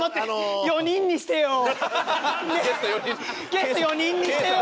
ゲスト４人にしてよ！